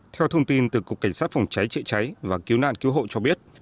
theo thông tin từ cục cảnh sát phòng cháy chữa cháy và cứu nạn cứu hộ cho biết